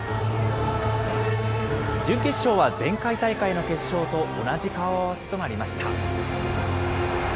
準決勝は前回大会の決勝と同じ顔合わせとなりました。